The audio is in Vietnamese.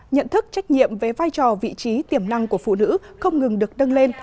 nhận thức trách nhiệm về vai trò vị trí tiềm năng của phụ nữ không ngừng được nâng lên